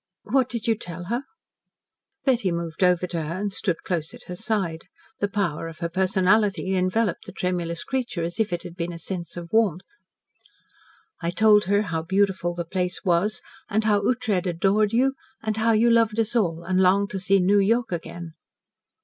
"What did you tell her?" Betty moved over to her and stood close at her side. The power of her personality enveloped the tremulous creature as if it had been a sense of warmth. "I told her how beautiful the place was, and how Ughtred adored you and how you loved us all, and longed to see New York again."